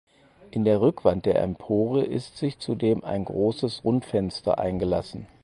In der Rückwand der Empore ist sich zudem ein großes Rundfenster eingelassen.